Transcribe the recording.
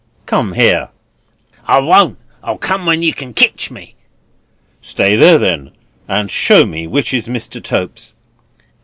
"Come here." "I won't; I'll come when yer can ketch me." "Stay there then, and show me which is Mr. Tope's."